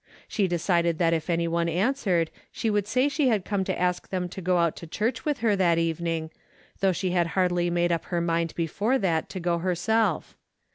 She decided that if any one answered she would say she had come to ask them to go out to church with her that evening, though she had hardly made up her mind before that to go herself.